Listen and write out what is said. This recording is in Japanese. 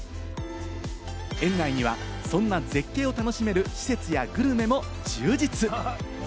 園内には、そんな絶景を楽しめる施設やグルメも充実。